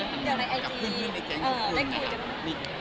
แล้วกับเพื่อนในแก๊งทุกคน